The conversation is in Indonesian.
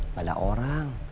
nggak ada orang